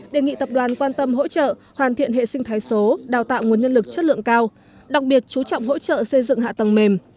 đề nghị tập đoàn quan tâm hỗ trợ hoàn thiện hệ sinh thái số đào tạo nguồn nhân lực chất lượng cao đặc biệt chú trọng hỗ trợ xây dựng hạ tầng mềm